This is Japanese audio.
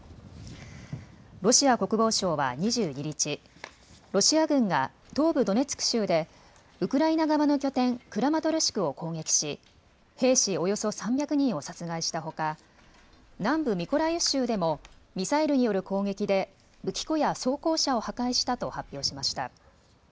ロシア国防省は２２日、ロシア軍が東部ドネツク州でウクライナ側の拠点クラマトルシクを攻撃し、兵士およそ３００人を殺害したほか南部ミコライウ州でもミサイルによる攻撃で武器庫や装甲車を破壊したと発表しました。